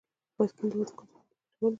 بایسکل د وزن کنټرول ته ګټور دی.